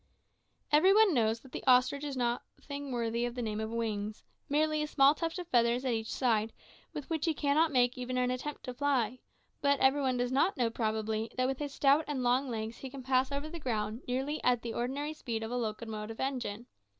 Every one knows that the ostrich has nothing worthy of the name of wings merely a small tuft of feathers at each side, with which he cannot make even an attempt to fly; but every one does not know, probably, that with his stout and long legs he can pass over the ground nearly at the ordinary speed of a locomotive engine.